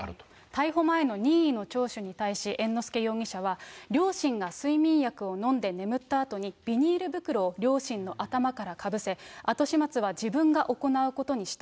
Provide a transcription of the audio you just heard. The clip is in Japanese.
逮捕前の任意の聴取に対し、猿之助容疑者は、両親が睡眠薬を飲んで眠ったあとに、ビニール袋を両親の頭からかぶせ、後始末は自分が行うことにした。